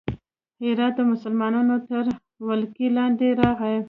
هرات د مسلمانانو تر ولکې لاندې راغی.